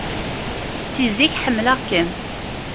Si zik ḥemmleɣ-kem.